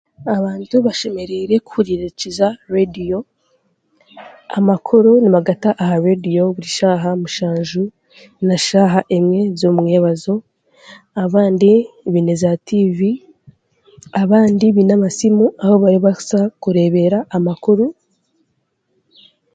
Abantu bashemereire kuhuririkiza reediyo, amakuru nibagata aha reediyo buri shaaha mushanju, na shaaha emwe z'omu mwebazo, abandi baine zaatiivi, abandi baine amasimu ahu barabaasa kureebera amakuru.